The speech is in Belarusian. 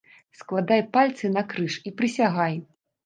Складай пальцы накрыж і прысягай!